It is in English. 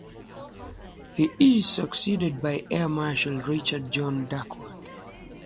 He is succeeded by Air Marshal Richard John Duckworth.